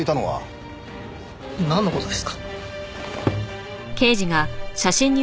なんの事ですか？